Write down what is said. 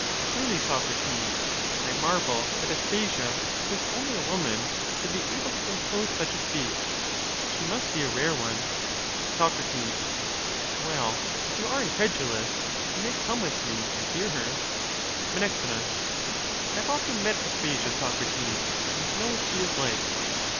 Truly, Socrates, I marvel that Aspasia, who is only a woman, should be able to compose such a speech ; she must be a rare one. Soc. Well, if you are incredulous, you may come with me and hear her. Men. I have often met Aspasia, Socrates, and know what she is like.